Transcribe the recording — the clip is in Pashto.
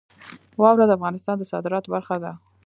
واوره د افغانستان د صادراتو برخه ده.